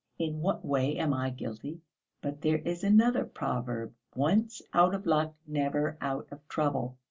In what way am I guilty? But there is another proverb, 'Once out of luck, never out of trouble.'..."